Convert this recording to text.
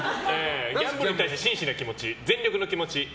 ギャンブルに対して真摯な気持ち全力な気持ち。